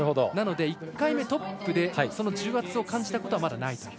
なので１回目、トップでその重圧を感じたことはまだない。